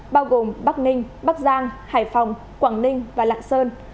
bao gồm bắc ninh bắc giang hải phòng quảng ninh và lạng sơn